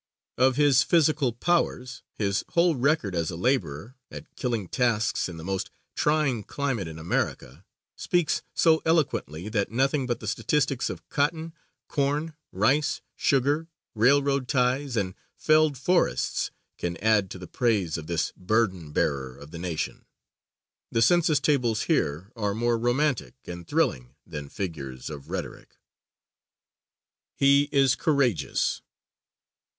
Of his physical powers, his whole record as a laborer at killing tasks in the most trying climate in America speaks so eloquently that nothing but the statistics of cotton, corn, rice, sugar, railroad ties and felled forests can add to the praise of this burden bearer of the nation. The census tables here are more romantic and thrilling than figures of rhetoric. _He is courageous.